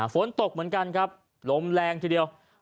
ฝนตกเหมือนกันครับลมแรงทีเดียว